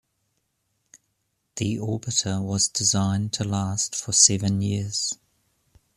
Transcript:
The orbiter was designed to last for seven years.